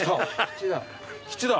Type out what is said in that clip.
吉だ。